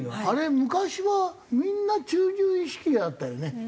あれ昔はみんな中流意識があったよね